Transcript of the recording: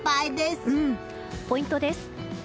ポイントです。